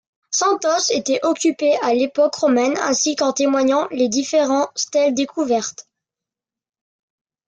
Santosse était occupée à l'époque romaine ainsi qu'en témoignent les différentes stèles découvertes.